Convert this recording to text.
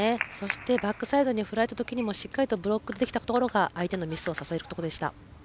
バックサイドに振られたときもブロックできたところが相手のミスを誘えるところでした。